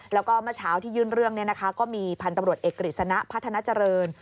แล้วก็เมื่อเช้าที่ยื่นเรื่องก็มีพันธุ์ตำรวจเอกกฤษณะพัฒนาเจริญ